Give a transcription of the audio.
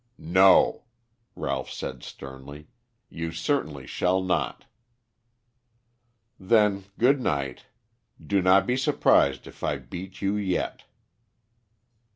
"No," Ralph said sternly. "You certainly shall not." "Then good night. Do not be surprised if I beat you yet."